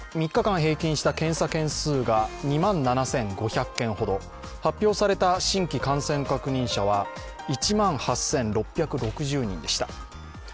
３日間平均した検査件数が２万７５００件ほど発表された新規感染確認者は１万８６６０人でした。